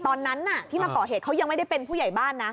ตอนนั้นที่มาก่อเหตุเขายังไม่ได้เป็นผู้ใหญ่บ้านนะ